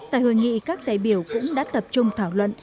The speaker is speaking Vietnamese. tại hội nghị các đại biểu cũng đã tập trung thảo luận